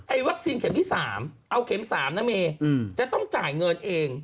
วัคซีนเข็มที่๓เอาเข็ม๓นะเมย์จะต้องจ่ายเงินเอง